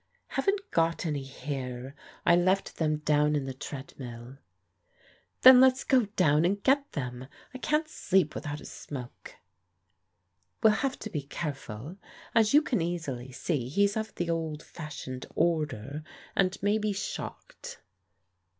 "Haven't got any here. I left them down in the ' TreadmiU.' " "Then let's go down and get them. I can't sleep without a smoke." " We'll have to be careful. As you can easily see, he's of the old fashioned order, and may be shocked."